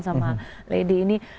sama lady ini